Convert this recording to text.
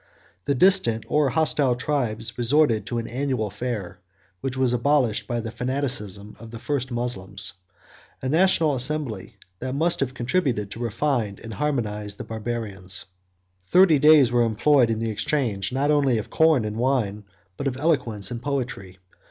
The distant or hostile tribes resorted to an annual fair, which was abolished by the fanaticism of the first Moslems; a national assembly that must have contributed to refine and harmonize the Barbarians. Thirty days were employed in the exchange, not only of corn and wine, but of eloquence and poetry.